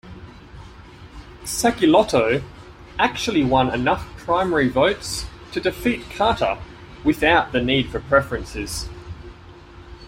Sacilotto actually won enough primary votes to defeat Carter without the need for preferences.